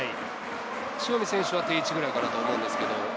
塩見選手は定位置くらいかなと思うんですけど。